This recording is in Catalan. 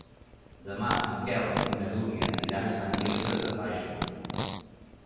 Demà en Quel i na Dúnia iran a Sant Quirze Safaja.